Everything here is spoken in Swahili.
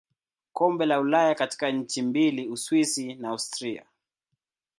Kombe la Ulaya katika nchi mbili Uswisi na Austria.